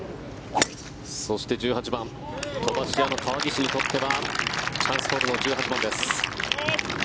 そして１８番飛ばし屋の川岸にとってはチャンスホールの１８番です。